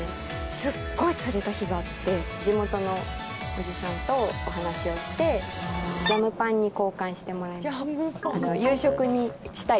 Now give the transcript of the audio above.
すっごい釣れた日があって、地元のおじさんとお話をして、ジャムパンに交換してもらいました。